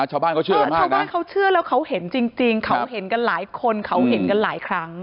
ชาวบ้านเขาเชื่อกันมากชาวบ้านเขาเชื่อแล้วเขาเห็นจริงเขาเห็นกันหลายคนเขาเห็นกันหลายครั้ง